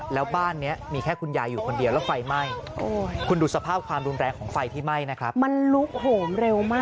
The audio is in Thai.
แล้วบ้านนี้มีแค่คุณยายอยู่คนเดียวแล้วไฟไหม้